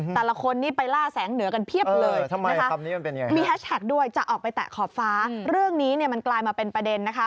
แต่ละคนนี้ไปล่าแสงเหนือกันเพียบเลยนะคะมีแฮชแท็กด้วยจะออกไปแตะขอบฟ้าเรื่องนี้เนี่ยมันกลายมาเป็นประเด็นนะคะ